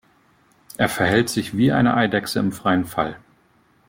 Er verhält sich wie eine Eidechse im freien Fall.